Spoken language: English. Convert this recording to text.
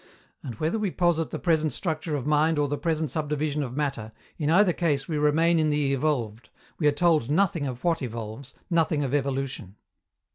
And, whether we posit the present structure of mind or the present subdivision of matter, in either case we remain in the evolved: we are told nothing of what evolves, nothing of evolution.